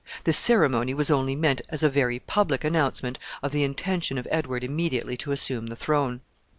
This ceremony was only meant as a very public announcement of the intention of Edward immediately to assume the throne.